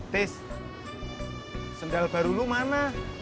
tis sendal baru lo mana